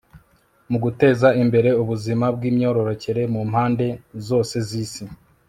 mu guteza imbere ubuzima bw imyororokere mu mpande zose z isi